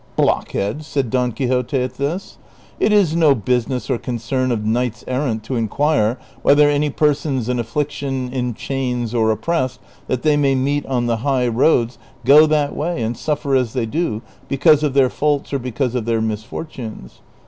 " Blockhead !" said Don Quixote at this, " it is no business or concern of knights errant to inquire whether any persons in affliction, in chains, or oppressed that they may meet on the high roads go that way and suffer as they do liecause of their faults or because of their misfortunes.